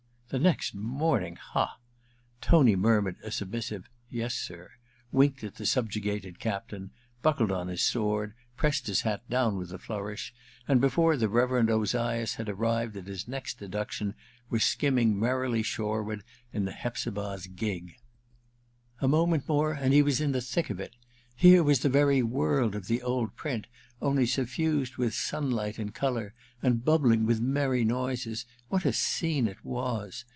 The next morning, ha !— Tony murmured I ENTERTAINMENT , 319 a submissive * Yes, sir,* winked at the sub jugated captain^ buckled on his sword, pressed his hat down with a flourish, and before the Reverend Ozias had arrived at his next deduction, was skimming merrily shoreward in the Hepzibah's gig. A moment more and he was in the thick of it ! Here was the very world of the old print, only suffused with sunlight and colour, and bubbling with merry noises. What a scene it was